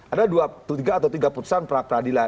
ada dua tiga atau tiga putusan pra peradilan